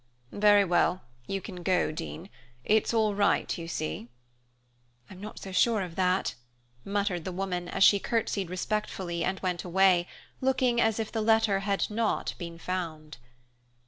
"Very well, you can go, Dean. It's all right, you see." "I'm not so sure of that," muttered the woman, as she curtsied respectfully and went away, looking as if the letter had not been found.